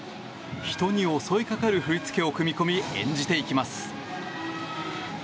人に襲いかかる振り付けを組み込み演じていきます。